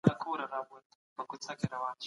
ځوانان نکاح او تعلیم ته وهڅول شول.